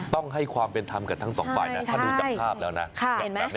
ต้องให้ความเป็นทั้งสองไปนะถ้าดูจับภาพแล้วนะ